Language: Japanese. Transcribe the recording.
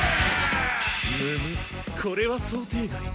むむこれは想定外だ！